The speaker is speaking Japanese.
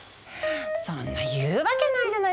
そんな言うわけないじゃない。